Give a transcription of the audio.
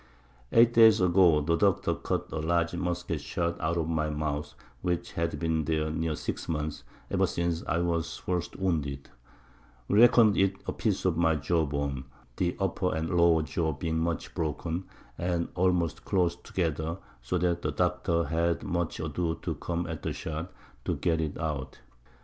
8 Days ago the Doctor cut a large Musket Shot out of my Mouth, which had been there near 6 Months, ever since I was first wounded; we reckon'd it a Piece of my Jaw bone, the upper and lower Jaw being much broken, and almost closed together, so that the Doctor had much ado to come at the Shot, to get it out.